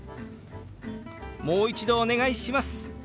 「もう一度お願いします」。